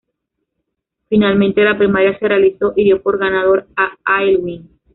Finalmente la primaria se realizó y dio por ganador a Aylwin.